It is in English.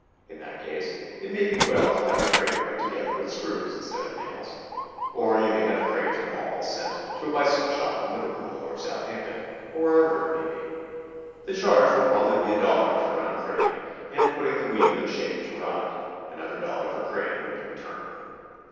In that case it may be well to have the crate put together with screws instead of nails. Or you may have crate and all sent to a bicycle shop in Liver pool or Southampton or wherever it may be. The charge will probably be a dollar for uncrating and putting the wheel in shape to ride; another dollar for crating when you return.